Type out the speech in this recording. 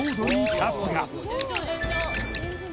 春日